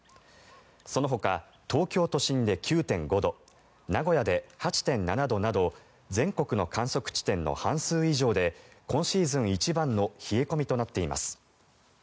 そのほか東京都心で９．５度名古屋で８．７度など全国の観測地点の半数以上で今シーズン一番の冷え込みとなっています。